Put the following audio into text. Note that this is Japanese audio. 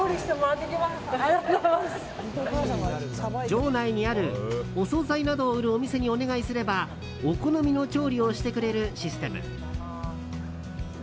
場内にある、お総菜などを売るお店にお願いすればお好みの調理をしてもらえるシステム。